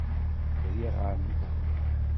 Briɣ-am.